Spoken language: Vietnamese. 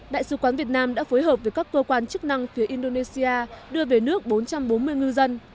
đại sứ quán việt nam đã phối hợp với các cơ quan chức năng phía indonesia đưa về nước bốn trăm bốn mươi ngư dân